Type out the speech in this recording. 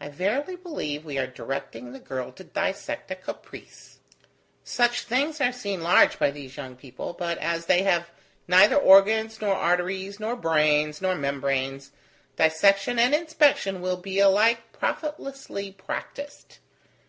"I verily believe we are directing the girl to dissect a caprice. Such things are seen large by these young people, but as they have neither organs, nor arteries, nor brains, nor membranes, dissection and inspection will be alike profitlessly practised.